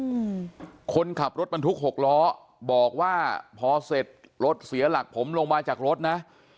อืมคนขับรถบรรทุกหกล้อบอกว่าพอเสร็จรถเสียหลักผมลงมาจากรถนะ